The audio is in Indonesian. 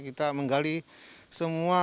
kita menggali semua